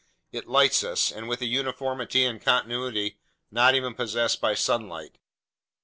It lights us, and with a uniformity and continuity not even possessed by sunlight.